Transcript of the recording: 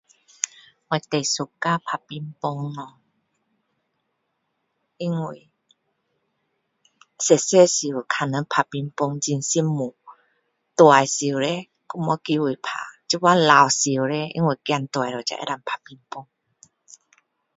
我最喜欢打乒乓咯因为小小时看人打乒乓很羡慕大时叻就没机会打现在老时叻因为孩子大了才能打乒乓